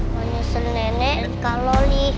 mau nyusul nenek kak loli